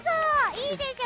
いいでしょ？